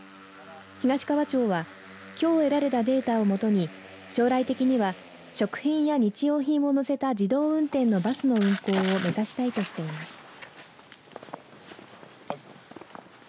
東川町は、きょう得られたデータをもとに将来的には食品や日用品を載せた自動運転のバスの運行を目指したいとしています。